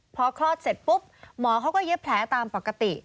พอคลอดเสร็จปุ๊บหมอเขาก็เย็บแผลตามปกติ